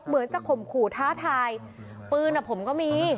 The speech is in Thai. เหมือนจะข่มขู่ท้าทายปืนอ่ะผมก็มี